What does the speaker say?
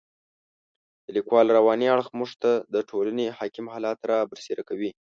د لیکوال رواني اړخ موږ ته د ټولنې حاکم حالات را برسېره کوي.